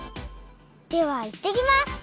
ではいってきます！